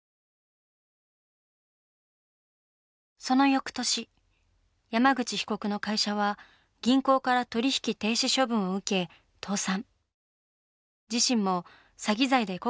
その翌年山口被告の会社は銀行から取引停止処分を受け倒産。